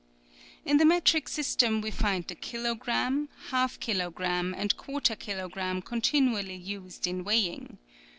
" In the metric system we find the kilo gramme, half kilogramme and quarter kilo gramme continually used in weighing.